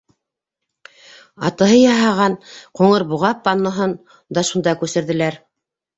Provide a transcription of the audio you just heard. Атаһы яһаған «Ҡуңыр буға» панноһын да шунда күсерҙеләр.